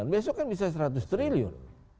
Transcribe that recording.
delapan puluh sembilan besok kan bisa seratus triliun